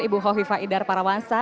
ibu hovhifa idar parawasa